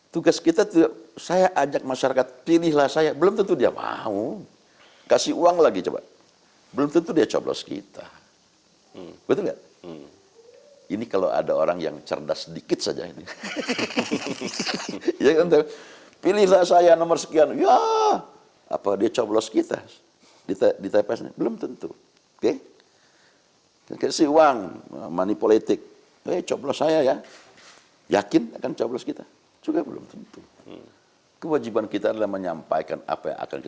terima kasih officially secara logistik